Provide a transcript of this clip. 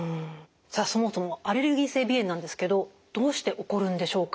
さあそもそもアレルギー性鼻炎なんですけどどうして起こるんでしょうか？